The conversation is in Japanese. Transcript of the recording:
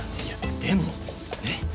いやでもね？